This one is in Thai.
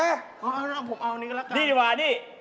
เอาผมเอานี้ก็แล้วกันนี่ดีกว่านี่